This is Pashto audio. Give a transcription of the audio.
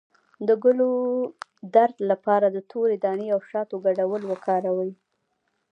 د ګلو درد لپاره د تورې دانې او شاتو ګډول وکاروئ